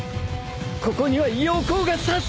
ここには陽光が差す